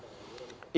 ya jadi boleh dikatakan